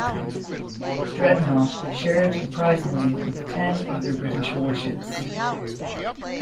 "Dreadnought" shared the prize money with ten other British warships.